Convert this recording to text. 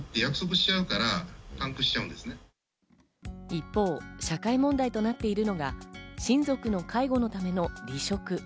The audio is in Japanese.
一方、社会問題となっているのが親族の介護のための離職。